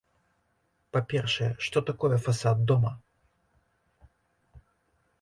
Па-першае, што такое фасад дома?